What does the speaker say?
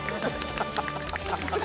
ハハハハ！